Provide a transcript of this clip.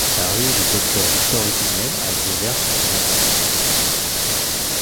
La rue du Docteur-Victor-Hutinel a été ouverte sur son emplacement.